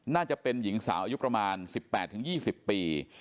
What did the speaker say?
น่าจะเป็นหญิงสาวอายุประมาณ๑๘๒๐ปี